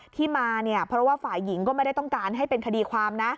ที่มาเนี่ยเพราะว่าฝ่ายหญิงก็ไม่ได้ต้องการให้เป็นคดีความนะ